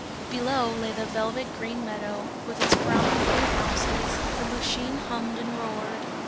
Below lay the velvet green meadow, with its brown wooden houses, the Lütschine hummed and roared.